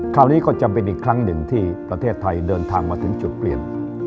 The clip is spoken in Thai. คราวนี้ก็จำเป็นอีกครั้งหนึ่งที่ประเทศไทยเดินทางมาถึงจุดเปลี่ยน